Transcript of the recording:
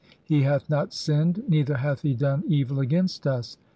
He hath not sinned, neither hath he done "evil against us.